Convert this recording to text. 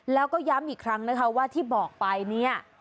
แล้วก็ย้ำอีกครั้งนะคะว่าที่บอกไปเนี่ย